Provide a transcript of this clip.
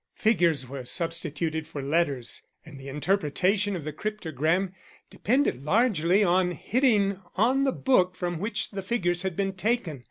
"Figures were substituted for letters, and the interpretation of the cryptogram depended largely on hitting on the book from which the figures had been taken.